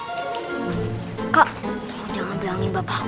ini bisa umar umar nama kamu merah kamu ngebetel nongol sampai ini sampai